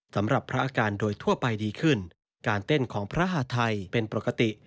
สำหรับพระอาการโดยทั่วไปดีขึ้นการเต้นของพระหาทัยเป็นปกติ